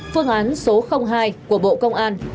phương án số hai của bộ công an